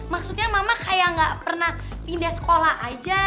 maksudnya mama kayak gak pernah pindah sekolah aja